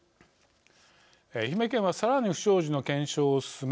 愛媛県はさらに不祥事の検証を進め